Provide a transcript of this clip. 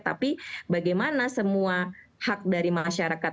tapi bagaimana semua hak dari masyarakat